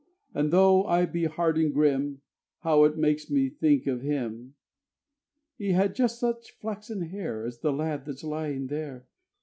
And though I be hard and grim, How it makes me think of him! He had just such flaxen hair As the lad that's lying there.